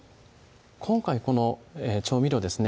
今回この調味料ですね